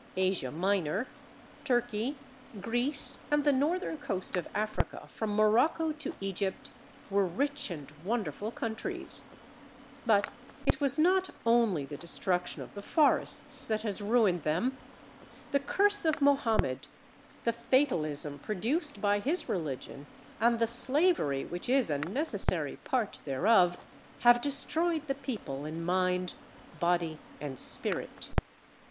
Asia Minor, Turkey, Greece, and the Northern Coast of Africa from Morocco to Egypt, were rich and wonderful countries. But it was not only the destruction of the forests that has ruined them. The curse of Mohammed, the fatalism produced by his religion, and the slavery which is a necessary part thereof, have destroyed the people in mind, body, and spirit.